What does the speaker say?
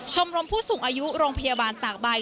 ชมรมผู้สูงอายุโรงพยาบาลตากใบ